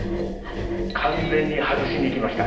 完全に外しに行きました。